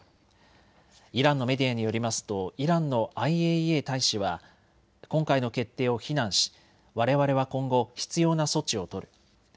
イランのメディアによりますとイランのＩＡＥＡ大使は今回の決定を非難しわれわれは今後必要な措置を取る。